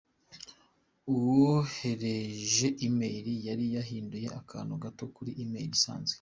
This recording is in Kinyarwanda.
Uwohereje email yari yahinduye akantu gato kuri email isanzwe.